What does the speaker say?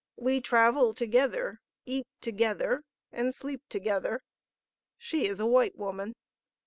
We travel together, eat together, and sleep together. (She is a white woman.)